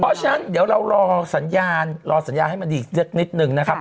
เพราะฉะนั้นเดี๋ยวเรารอสัญญาณรอสัญญาให้มันดีอีกสักนิดนึงนะครับ